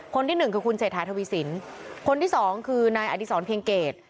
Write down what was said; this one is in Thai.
คนที่๑คือคุณเศรษฐาทวิสินคนที่๒คือนายอดิษรเพียงเกรด